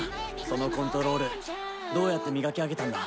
そのコントロールどうやって磨き上げたんだ？